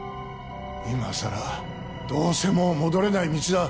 今さらどうせもう戻れない道だ